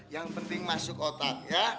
yang penting masuk otak